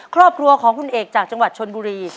ครอบครัวของคุณเอกจากจังหวัดชนบุรี